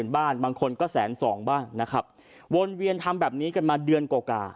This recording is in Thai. ๙๐๐๐๐บ้านบางคนก็๑๐๒๐๐๐บ้างวนเวียนทำแบบนี้กันมาเดือนโกกา